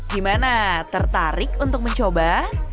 gimana tertarik untuk mencoba